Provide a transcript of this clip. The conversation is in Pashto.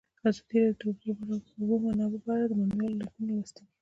ازادي راډیو د د اوبو منابع په اړه د مینه والو لیکونه لوستي.